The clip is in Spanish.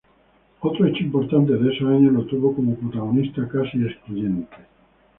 Otro hecho importante de esos años lo tuvo como protagonista casi excluyente.